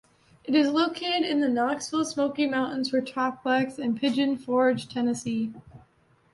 It is located in the Knoxville-Smoky Mountains metroplex in Pigeon Forge, Tennessee.